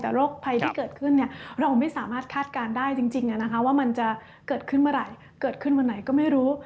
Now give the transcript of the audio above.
แต่โรคภัยที่เกิดขึ้นเราไม่สามารถคาดการณ์ได้จริงว่ามันจะเกิดขึ้นเมื่อไหร่เกิดขึ้นวันไหนก็ไม่รู้